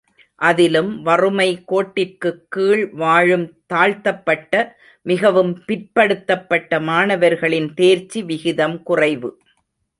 அதிலும் வறுமை கோட்டிற்குக் கீழ் வாழும் தாழ்த்தப்பட்ட, மிகவும் பிற்படுத்தப்பட்ட மாணவர்களின் தேர்ச்சி விகிதம் குறைவு.